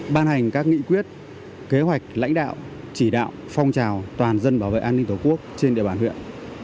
ban hành các nghị quyết kế hoạch lãnh đạo chỉ đạo phong trào toàn dân bảo vệ an ninh tổ quốc trên địa bàn huyện